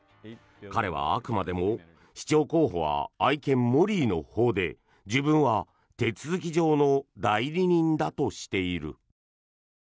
彼はあくまでも市長候補は愛犬モリーのほうで自分は手続き上の代理人だとしている。